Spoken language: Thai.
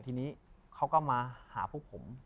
ทีนี้เขาก็มาหาพวกผม